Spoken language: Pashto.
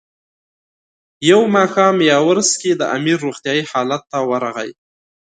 یو ماښام یاورسکي د امیر روغتیایي حالت ته ورغی.